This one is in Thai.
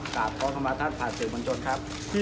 กราบขอขมาท่านผ่านสื่อบนโจทย์ครับ